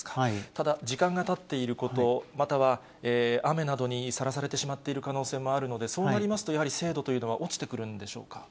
ただ、時間がたっていること、または雨などにさらされてしまっている可能性もあるので、そうなりますと、やはり精度というのは落ちてくるんでしょうか。